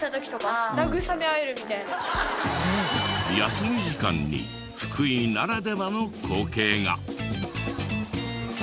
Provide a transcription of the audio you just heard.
休み時間に福井ならではの光景が。